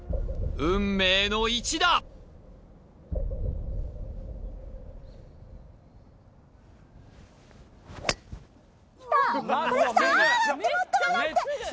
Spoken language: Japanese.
運命の１打きた